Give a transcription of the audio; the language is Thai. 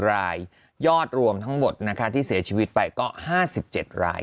รายยอดรวมทั้งหมดนะคะที่เสียชีวิตไปก็๕๗ราย